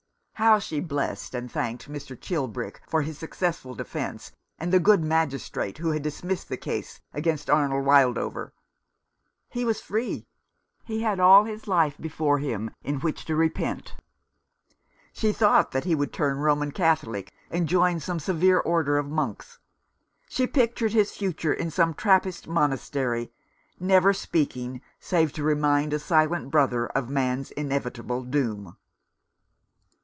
How she blessed and thanked Mr. Chilbrick for his successful defence, and the good Magistrate who had dismissed the case against Arnold Wildover ! He was free. He had all his life before him in which to repent. She thought that he would turn Roman Catholic and join some severe order of monks. She pictured his future in some Trappist Monastery, never speaking save to remind a silent brother of man's inevitable doom.